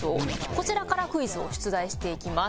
こちらからクイズを出題していきます。